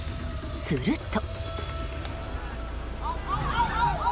すると。